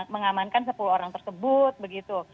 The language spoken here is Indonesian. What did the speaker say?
mengamankan sepuluh orang tersebut